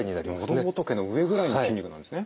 喉仏の上ぐらいの筋肉なんですね。